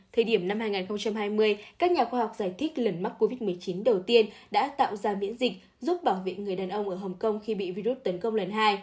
thời điểm năm hai nghìn hai mươi các nhà khoa học giải thích lần mắc covid một mươi chín đầu tiên đã tạo ra miễn dịch giúp bảo vệ người đàn ông ở hồng kông khi bị virus tấn công lần hai